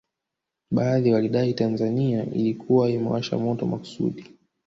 Baadhi walidai Tanzania ilikuwa imewasha moto makusudi